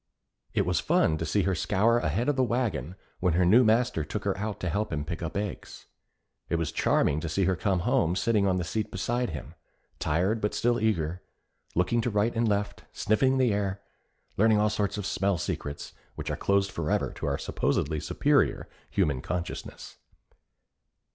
It was fun to see her scour ahead of the wagon when her new master took her out to help him pick up eggs. It was charming to see her come home sitting on the seat beside him, tired but still eager, looking to right and left, sniffing the air, learning all sorts of smell secrets which are closed forever to our supposedly superior human consciousness.